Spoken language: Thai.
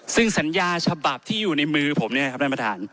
ซึ่งสัญญาฉบับที่อยู่ในมือผมเนี่ยครับท่านประธาน